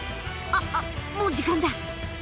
あもう時間だ！